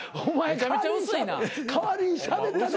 お前代わりにしゃべったって。